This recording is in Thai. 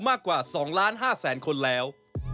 มากกว่า๒๕๐๐๐คนแล้ว